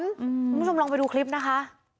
คุณผู้ชมลองไปดูคลิปนะคะ